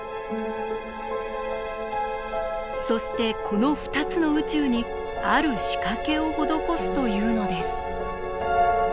そしてこの２つの宇宙にある仕掛けを施すというのです。